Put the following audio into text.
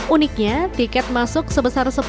uniknya tiket masuk sebesar sepuluh